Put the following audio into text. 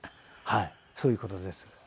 はいそういう事です。